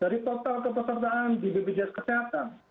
dari total kepesertaan di bpjs kesehatan